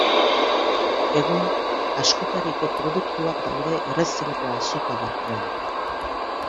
Egun, askotariko produktuak daude Errezilgo Azoka barruan.